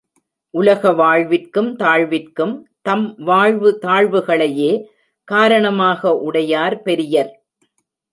உலக வாழ்விற்கும், தாழ்விற்கும் தம் வாழ்வு தாழ்வுகளையே காரணமாக உடையார் பெரியர்.